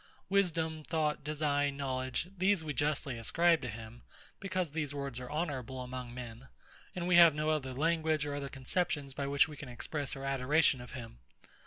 Wisdom, Thought, Design, Knowledge; these we justly ascribe to him; because these words are honourable among men, and we have no other language or other conceptions by which we can express our adoration of him.